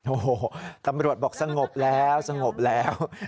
โอ้โหตำรวจบอกสงบแล้วสงบแล้ว